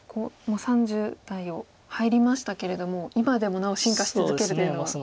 もう３０代を入りましたけれども今でもなお進化し続けるというのは。